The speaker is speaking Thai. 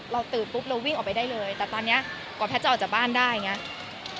ตื่นปุ๊บเราวิ่งออกไปได้เลยแต่ตอนนี้กว่าแพทย์จะออกจากบ้านได้อย่างนี้